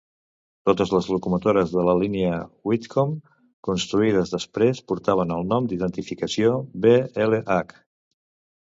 Totes les locomotores de la línia Whitcomb construïdes després portaven el nom d'identificació B-L-H.